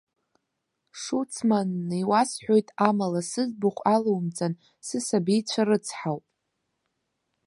Шуцманн, иуасҳәауеит, амала, сыӡбахә алоумҵан, сысабицәа рыцҳауп.